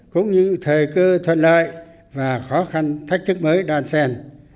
cũng như thời cơ thuận lợi và khó khăn thách thức mới đàn sèn